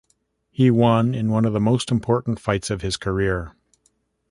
He won in one of the most important fights of his career.